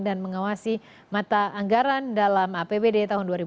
dan mengawasi mata anggaran dalam apbd tahun dua ribu delapan belas